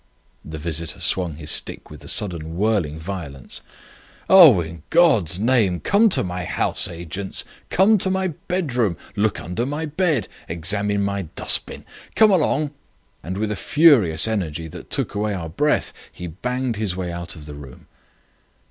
The visitor swung his stick with a sudden whirling violence. "Oh, in God's name, come to my house agent's! Come to my bedroom. Look under my bed. Examine my dust bin. Come along!" And with a furious energy which took away our breath he banged his way out of the room.